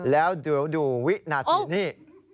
แล้วเดี๋ยวดูวินาทีนี้